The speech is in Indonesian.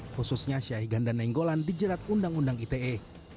khususnya syahigan dan nenggolan dijerat undang undang ite